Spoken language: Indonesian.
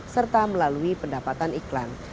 serta melalui pendapatan iklan